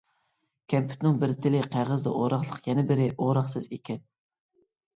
كەمپۈتنىڭ بىر تېلى قەغەزدە ئوراقلىق، يەنە بىرى ئوراقسىز ئىكەن.